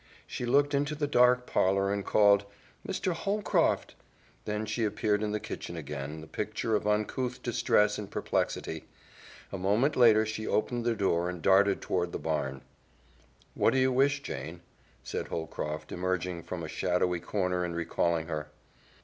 She looked into the dark parlor and called, "Mr. Holcroft!" Then she appeared in the kitchen again, the picture of uncouth distress and perplexity. A moment later she opened the door and darted toward the barn. "What do you wish, Jane?" said Holcroft, emerging from a shadowy corner and recalling her.